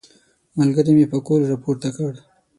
ملګري مې پکول راپورته کړ.